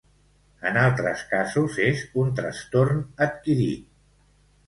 En altres casos és un trastorn adquirit.